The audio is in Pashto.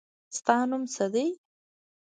ستا نوم څه دی ؟